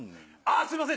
すいません